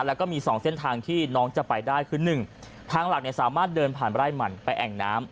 แล้วก็มี๒เส้นทางที่น้องจะไปได้คือ๑ทางหลักเนี่ยสามารถเดินผ่านไร่มันไปแอ่งน้ำ